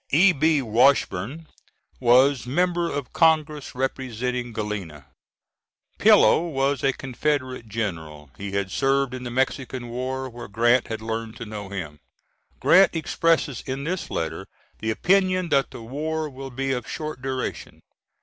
[E.B. Washburn was member of Congress representing Galena. Pillow was a Confederate general. He had served in the Mexican War, where Grant had learned to know him. Grant expresses in this letter the opinion that the war will be of short duration.